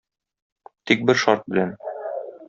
Тик бер шарт белән.